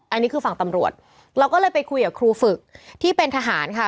อันนี้คือฝั่งตำรวจเราก็เลยไปคุยกับครูฝึกที่เป็นทหารค่ะ